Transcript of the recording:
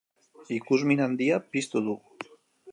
Ikusmin handia piztu du.